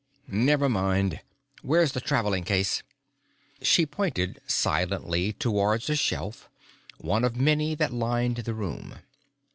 "Never mind. Where's the traveling case?" She pointed silently towards a shelf, one of many that lined the room.